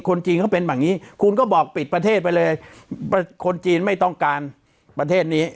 คนจีนเขาเป็นแบบนี้คุณก็บอกปิดประเทศไปเลยคนจีนไม่ต้องการประเทศนี้